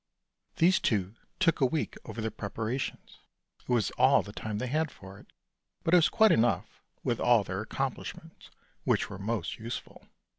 These two took a week over their preparations; it was all the time they had for it, but it was quite enough with all their accomplish ments, which were most useful.